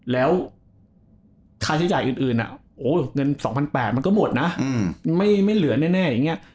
แล้วค่าใช้จ่ายอื่นเงิน๒๘๐๐บาทมันก็หมดนะไม่เหลือแน่อย่างนี้